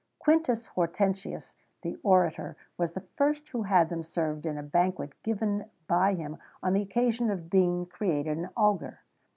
Quintus Hortensius, the orator, was the first who had them served in a banquet given by him on the occasion of being created an augur.